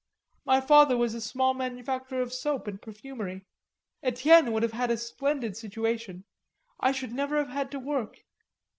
My father was a small manufacturer of soap and perfumery. Etienne would have had a splendid situation. I should never have had to work.